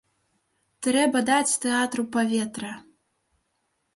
Трэба даць тэатру паветра.